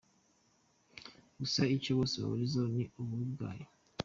Gusa, icyo bose bahurizaho ni ububi bwayo.